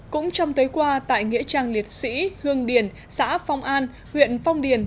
cũng trong tới qua tại nghĩa trang liệt sĩ hương điền xã phong an huyện phong điền